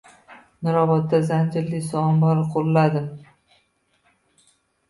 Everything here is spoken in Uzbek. Nurobodda “Anjirli” suv ombori quriladi